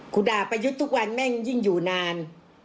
ด่าประยุทธ์ทุกวันแม่งยิ่งอยู่นาน